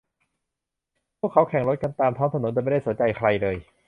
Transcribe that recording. พวกเขาแข่งรถกันตามท้องถนนโดยไม่ได้สนใจใครเลย